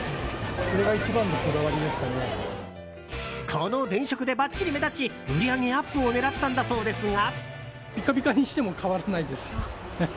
この電飾でばっちり目立ち売り上げアップを狙ったんだそうですが。